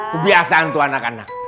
kebiasaan tuh anak anak